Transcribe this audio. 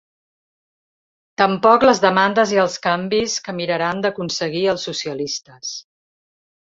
Tampoc les demandes i els canvis que miraran d’aconseguir els socialistes.